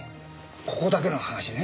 ここだけの話ね